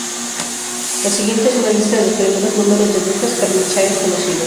La siguiente es una lista de los primeros números de Lucas-Carmichael conocidos.